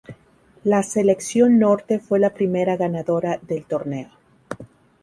La Selección Norte fue la primera ganadora del torneo.